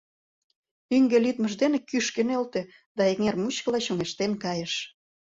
Ӱҥгӧ лӱдмыж дене кӱшкӧ нӧлтӧ да эҥер мучкыла чоҥештен кайыш.